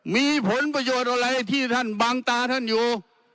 มีผลประโยชน์อะไรที่ท่านบังตาท่านอยู่